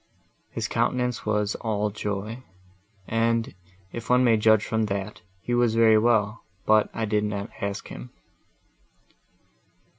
His countenance was all joy, and, if one may judge from that, he was very well; but I did not ask him."